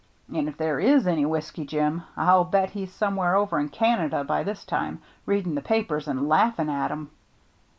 And if there is any Whiskey Jim, I'll bet he's somewhere over in Canada by this time, reading the papers and laughing at 'em."